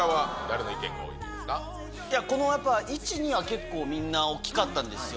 いや、このあたり１、２は、結構みんな大きかったんですよ。